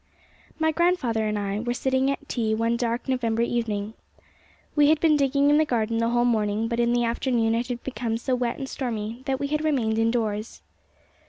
My grandfather and I were sitting at tea one dark November evening. We had been digging in the garden the whole morning, but in the afternoon it had become so wet and stormy that we had remained indoors.